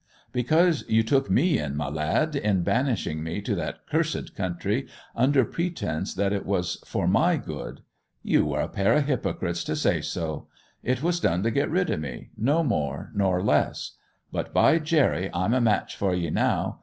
'Because you took me in, my lad, in banishing me to that cursed country under pretence that it was for my good. You were a pair of hypocrites to say so. It was done to get rid of me—no more nor less. But, by Jerry, I'm a match for ye now!